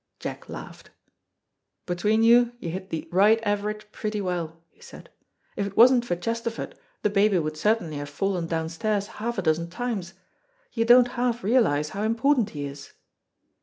Jack laughed. "Between you, you hit the right average pretty well," he said. "If it wasn't for Chesterford, the baby would certainly have fallen downstairs half a dozen times. You don't half realise how important he is."